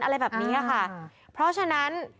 อะไรแบบนี้ค่ะเพราะฉะนั้น